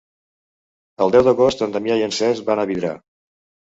El deu d'agost en Damià i en Cesc van a Vidrà.